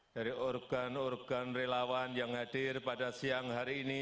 dari organ organ relawan yang hadir pada siang hari ini